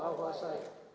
akan melakukan dengan setia